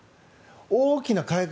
大きな改革